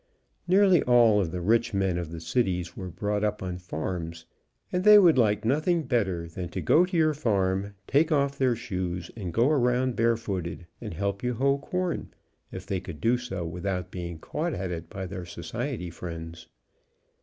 Nearly all of the rich men of the cities were brought up on farms, and they would like nothing better than to go to your farm, take off their shoes and go around barefooted, THE BAREFOOTED FARMER BOY 161 and help you hoe corn, if they could do so without being caught at it by their society friends.